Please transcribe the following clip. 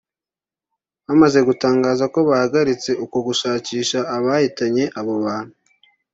bamaze gutangaza ko bahagaritse uko gushakisha abahitanye abo bantu